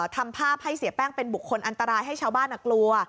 ทำภาพให้เสียแป้งเป็นบุคคลอันตรายให้ชาวบ้านกลัว